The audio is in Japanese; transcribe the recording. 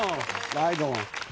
ライドオン。